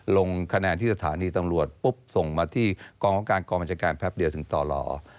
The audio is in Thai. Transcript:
ลงคะแนนที่สถานีตำรวจปุ๊บส่งมาที่กรองอาการกรมจัดการแพลปเดียวถึงต่อหล่อ